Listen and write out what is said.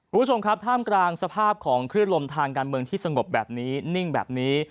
คุณผู้ชมครับท่ามกลางสภาพของคลื่นลมทางการเมืองที่สงบแบบนี้นิ่งแบบนี้